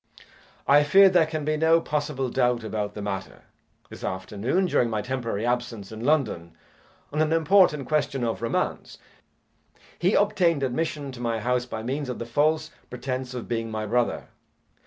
I fear there can be no possible doubt about the matter. This afternoon during my temporary absence in London on an important question of romance, he obtained admission to my house by means of the false pretence of being my brother.